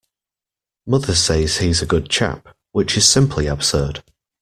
Mother says he's a good chap, which is simply absurd.